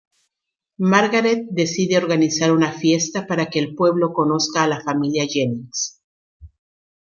Margaret decide organizar una fiesta para que el pueblo conozca a la familia Jennings.